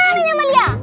aiman ini amalia